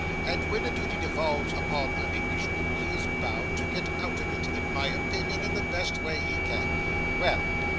And when a duty devolves upon an Englishman, he is bound to get out of it, in my opinion, in the best way he can. Well!